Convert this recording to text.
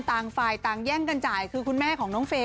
ต่างฝ่ายต่างแย่งกันจ่ายคือคุณแม่ของน้องเฟย์